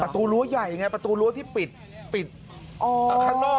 ประตูรั้วใหญ่ไงประตูรั้วที่ปิดปิดข้างนอก